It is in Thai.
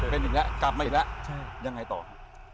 เป็นอีกแล้วกลับมาอีกแล้วยังไงต่อฮะ